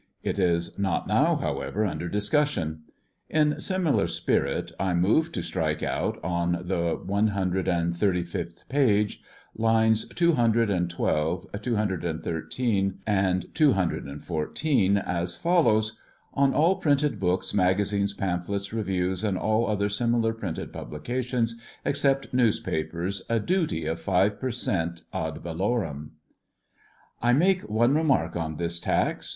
It is not now, however, under discussion. In similar spirit I move to strike out, on the one hundred and thirty fifth page, lines two hundred and twelve, two hundred and thirteen, and two hundred and fomteen, as follows : ŌĆö " On all printed books, magazines, pamphlets, reviews, and all other similar priated publications, except newspapers, a duty of five per cent ad valorem.^' I make one remark on this tax.